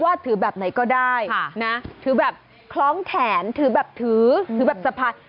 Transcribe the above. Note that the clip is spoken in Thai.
ถือแบบไหนก็ได้นะถือแบบคล้องแขนถือแบบถือถือแบบสะพาย